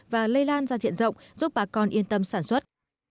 và lây lan ra diện rộng giúp bà con yên tâm sản xuất